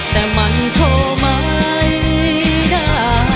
แต่มันโทรไม่ได้